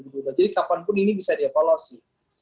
jadi kapanpun ini bisa dievaluasi